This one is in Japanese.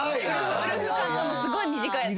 ウルフカットのすごい短いやつ。